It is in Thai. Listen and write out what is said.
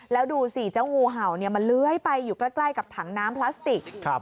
แล้วดูสิเจ้างูเห่ามันเลื้อยไปอยู่ใกล้กับถังน้ำพลาสติก